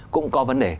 cũng có vấn đề